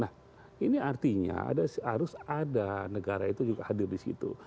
nah ini artinya harus ada negara itu juga hadir di situ